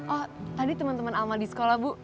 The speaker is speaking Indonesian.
oh tadi temen temen alma di sekolah bu